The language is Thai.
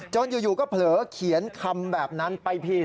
อยู่ก็เผลอเขียนคำแบบนั้นไปผิด